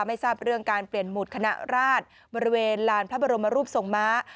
ไม่ทราบเรื่องการเปลี่ยนหมุดคณะราชบริเวณลานพระบรมรูปทรงม้า